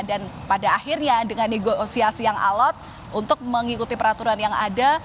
dan pada akhirnya dengan negosiasi yang alot untuk mengikuti peraturan yang ada